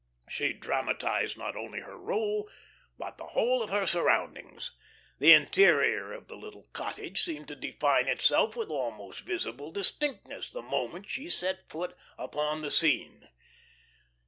She dramatised not only her role, but the whole of her surroundings. The interior of the little cottage seemed to define itself with almost visible distinctness the moment she set foot upon the scene.